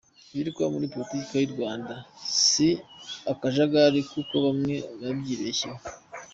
Ibiri kuba muri politiki y’u Rwanda si akajagari nk’uko bamwe babyibeshyaho !